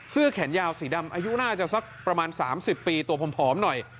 เสื้อแขนยาวสีดำอายุน่าจะสักประมาณ๓๐ปีตัวผอมหน่อย